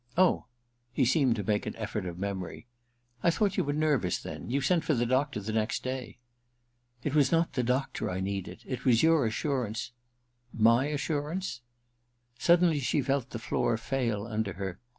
Oh ——' He seemed to make an effort of memory. *1 thought you were nervous then ; you sent for the doctor the next day.' * It was not the doctor I needed ; it was your assurance My assurance ?' Suddenly she felt the floor fail under her.